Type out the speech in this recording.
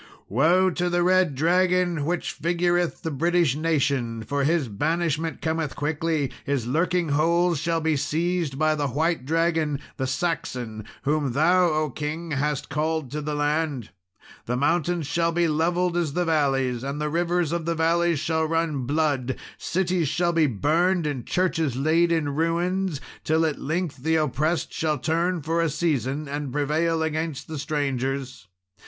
"Woe to the red dragon, which figureth the British nation, for his banishment cometh quickly; his lurkingholes shall be seized by the white dragon the Saxon whom thou, O king, hast called to the land. The mountains shall be levelled as the valleys, and the rivers of the valleys shall run blood; cities shall be burned, and churches laid in ruins; till at length the oppressed shall turn for a season and prevail against the strangers.